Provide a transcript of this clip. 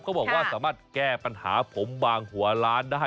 บอกว่าสามารถแก้ปัญหาผมบางหัวล้านได้